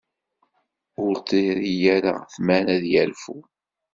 Ur t-terri ara tmara ad yerfu.